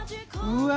うわ。